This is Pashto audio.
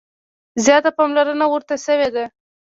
زیاته پاملرنه ورته شوې ده.